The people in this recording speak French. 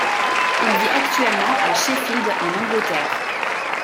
Il vit actuellement à Sheffield en Angleterre.